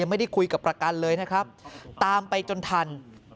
ไม่ได้คุยกับประกันเลยนะครับตามไปจนทัน